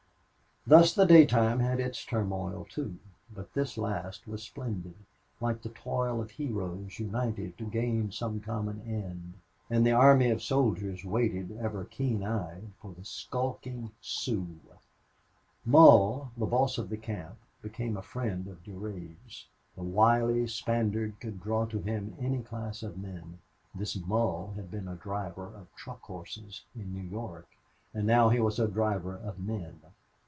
Thus the daytime had its turmoil, too, but this last was splendid, like the toil of heroes united to gain some common end. And the army of soldiers waited, ever keen eyed, for the skulking Sioux. Mull, the boss of the camp, became a friend of Durade's. The wily Spaniard could draw to him any class of men. This Mull had been a driver of truck horses in New York, and now he was a driver of men.